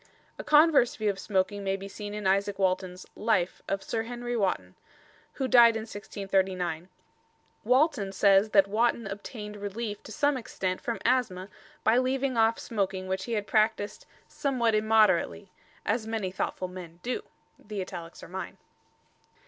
A converse view of smoking may be seen in Izaak Walton's "Life" of Sir Henry Wotton, who died in 1639. Walton says that Wotton obtained relief to some extent from asthma by leaving off smoking which he had practised "somewhat immoderately" "as many thoughtful men do." The italics are mine.